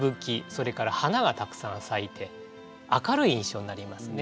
それから花がたくさん咲いて明るい印象になりますね。